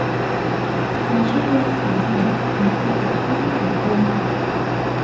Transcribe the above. และช่วยลดสาเหตุของการเกิดฝ้าได้อย่างตรงจุด